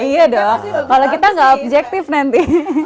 iya dong kalau kita nggak objektif nanti